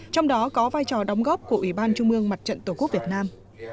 trong đó có vai trò đóng góp của ủy ban trung ương mặt trận tổ quốc việt nam